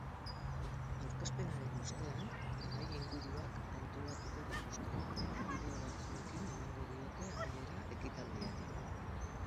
Aurkezpenaren ostean, mahai-inguruak antolatuko dituzte eta bideo batzuekin emango diote amaiera ekitaldiari.